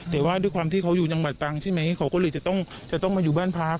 แต่ว่าด้วยความที่เขาอยู่จังหวัดตรังใช่ไหมเขาก็เลยจะต้องมาอยู่บ้านพัก